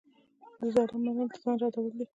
د ظالم منل د ځان ردول دي.